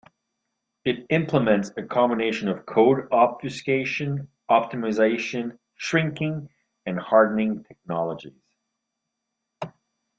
It implements a combination of code obfuscation, optimization, shrinking, and hardening technologies.